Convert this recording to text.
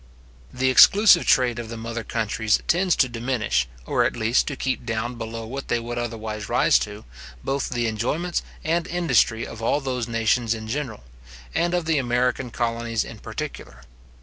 The exclusive trade of the mother countries tends to diminish, or at least to keep down below what they would otherwise rise to, both the enjoyments and industry of all those nations in general, and of the American colonies in particular.